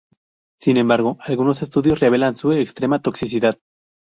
Sin embargo, algunos estudios revelan su extrema toxicidad.